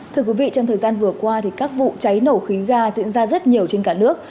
thưa quý vị trong thời gian vừa qua các vụ cháy nổ khí ga diễn ra rất nhiều trên cả nước